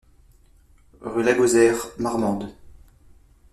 Rue Lagauzère, Marmande